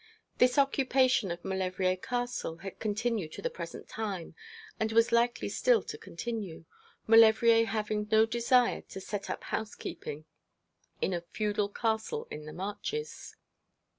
This occupation of Maulevrier Castle had continued to the present time, and was likely still to continue, Maulevrier having no desire to set up housekeeping in a feudal castle in the marches.